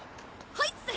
はいっす！